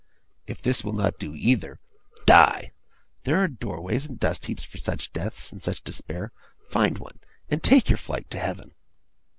If this will not do either, die! There are doorways and dust heaps for such deaths, and such despair find one, and take your flight to Heaven!